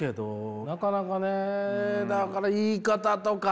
なかなかねだから言い方とか。